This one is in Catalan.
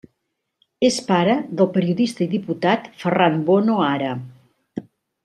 És pare del periodista i diputat Ferran Bono Ara.